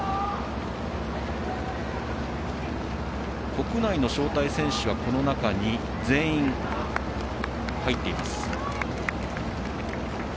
国内の招待選手はこの中に全員、入っています。